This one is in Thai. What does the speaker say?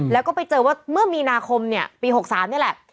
แล้วก็ไปเจอว่าเมื่อมีนาคมเนี่ยปี๖๓นี่แหละ